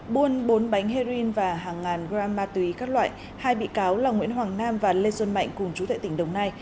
buôn bốn bánh heroin và hàng ngàn gram ma túy các loại hai bị cáo là nguyễn hoàng nam và lê xuân mạnh cùng chú thệ tỉnh đồng nai